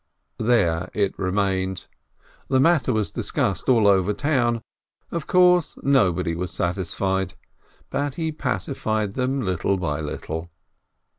There it remained. The matter was discussed all over the town. Of course, nobody was satisfied. But' he pacified them little by little.